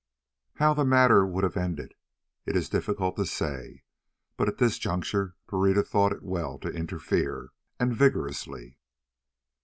How the matter would have ended it is difficult to say, but at this juncture Pereira thought it well to interfere, and vigorously.